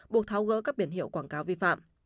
buộc tháo gỡ các biển hiệu quảng cáo vi phạm